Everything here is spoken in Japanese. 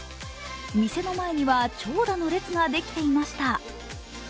店の前には長蛇の列ができていました。